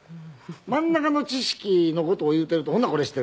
真ん中の知識の事を言うているとほなこれ知っているか？